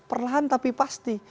perlahan tapi pasti